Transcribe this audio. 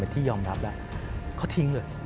ที่ยอมรับแล้วเขาทิ้งเลย